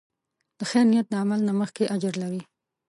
د خیر نیت د عمل نه مخکې اجر لري.